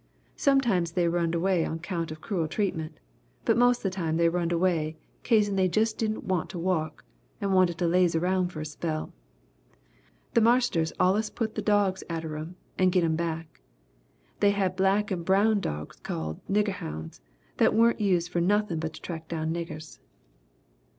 Sometimes they runned away on 'count of cruel treatment, but most of the time they runned away kazen they jus' didn't want to wuk, and wanted to laze around for a spell. The marsters allus put the dogs atter 'em and git 'em back. They had black and brown dogs called 'nigger hounds' what waren't used for nothin' but to track down niggers.